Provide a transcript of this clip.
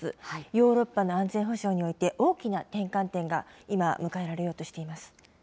ヨーロッパの安全保障において、大きな転換点が今、迎えられようとしています。